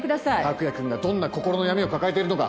拓也くんがどんな心の闇を抱えているのか